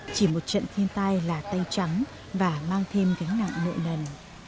chỉ một trận thiên tai là tay trắng và mang thêm gánh nặng nợ nần